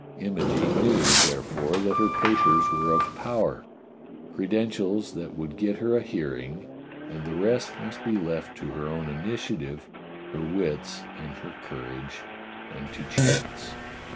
Imogene knew, therefore, that her papers were of power, creden tials that would get her a hearing, and the rest must be left to her own initiative, her wits, and her courage, and to chance.